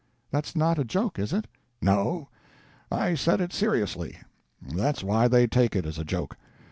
"That's not a joke, is it?" "No; I said it seriously; that's why they take it as a joke.